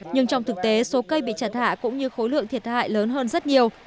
nhưng trong thực tế số cây bị chặt hạ cũng như khối lượng thiệt hại lớn hơn rất nhiều